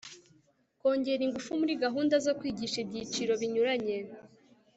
kongera ingufu muri gahunda zo kwigisha ibyiciro binyuranye